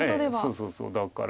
そうそうそうだから。